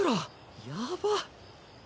やばっ！